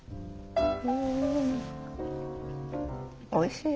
おいしい！